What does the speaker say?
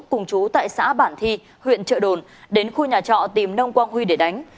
cùng chú tại xã bản thi huyện trợ đồn đến khu nhà trọ tìm nông quang huy để đánh